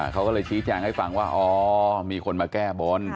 เขาก็เลยชี้แจงให้ฟังว่าอ๋อมีคนมาแก้บน